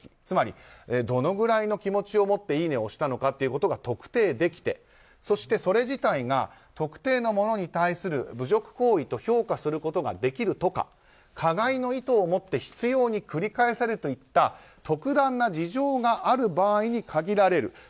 つまり、どのぐらいの気持ちを持っていいねを押したのかということが特定できてそしてそれ自体が特定の者に対する侮辱行為と評価することができるとか加害の意図を持って執拗に繰り返されるといった特段な事情がある場合に限られる。